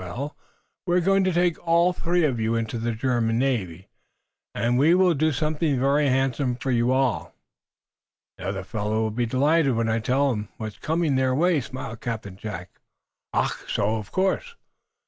Well, we are going to take all three of you into the German navy, and we will do something very handsome for you all." "The other fellows will be delighted when I tell 'em what's coming their way," smiled Captain Jack. "Ach! So? Of course."